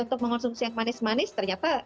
untuk mengonsumsi yang manis manis ternyata